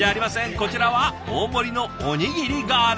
こちらは大盛りのおにぎりガール。